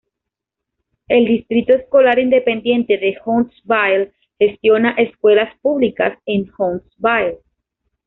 El Distrito Escolar Independiente de Huntsville gestiona escuelas públicas en Huntsville.